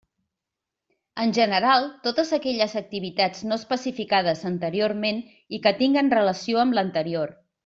En general, totes aquelles activitats no especificades anteriorment i que tinguen relació amb l'anterior.